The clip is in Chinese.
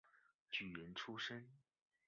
举人出身。